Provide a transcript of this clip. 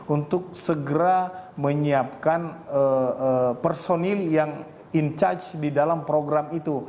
untuk segera menyiapkan personil yang in charge di dalam program itu